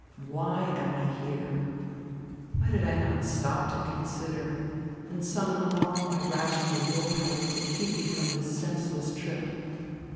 "Why am I here? Why did I not stop to consider and summon all my rational will power to keep me from this senseless trip?